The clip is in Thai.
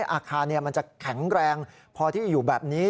อาคารมันจะแข็งแรงพอที่อยู่แบบนี้